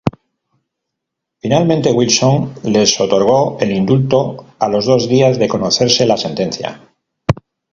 Finalmente, Wilson les otorgó el indulto a los dos días de conocerse la sentencia.